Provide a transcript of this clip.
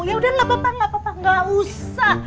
yaudah lah bapak gak usah